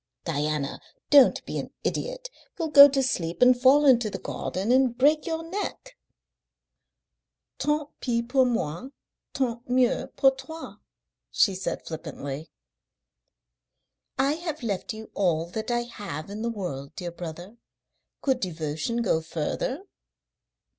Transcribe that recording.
"Diana, don't be an idiot! You'll go to sleep and fall into the garden and break your neck." "Tant pis pour moi. Tant mieux pour toi," she said flippantly. "I have left you all that I have in the world, dear brother. Could devotion go further?"